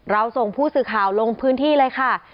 ส่งผู้สื่อข่าวลงพื้นที่เลยค่ะ